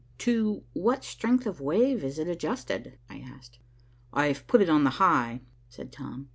"To what strength of wave is it adjusted?" I asked. "I've put it on the high," said Tom.